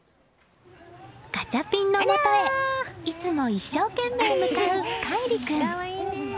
ガチャピンのもとへいつも一生懸命、向かう海李君。